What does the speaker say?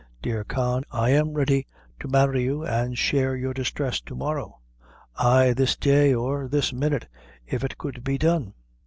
Dear Con, I am ready to marry you, an' share your distress tomorrow; ay, this day, or this minute, if it could be done."